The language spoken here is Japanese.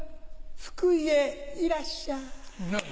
福井へいらっしゃい。